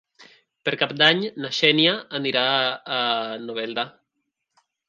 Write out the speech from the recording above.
Per Cap d'Any na Xènia anirà a Novelda.